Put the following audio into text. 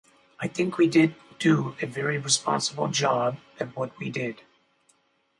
I think we did do a very responsible job at what we did.